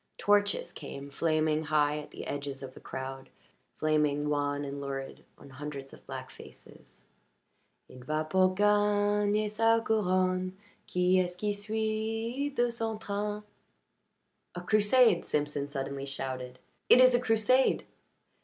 Torches came, flaming high at the edges of the crowd, flaming wan and lurid on hundreds of black faces. "Il va pour gagner sa couronne Qui est ce que suit dans son train?" "A crusade!" Simpson suddenly shouted. "It is a crusade!"